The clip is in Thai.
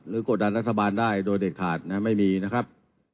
หรือกดดันนักฐาบาลได้โดนเด็กขาดไม่มีนะครับ